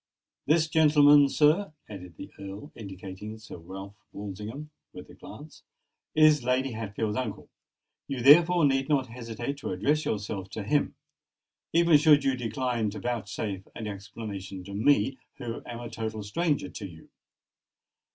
This gentleman, sir," added the Earl, indicating Sir Ralph Walsingham with a glance, "is Lady Hatfield's uncle: you therefore need not hesitate to address yourself to him—even should you decline to vouchsafe an explanation to me, who am a total stranger to you."